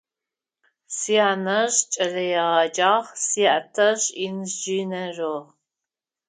Сянэжъ кӏэлэегъэджагъ, сятэжъ инженерыгъ.